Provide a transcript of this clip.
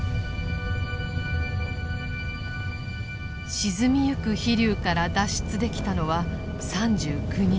沈みゆく飛龍から脱出できたのは３９人。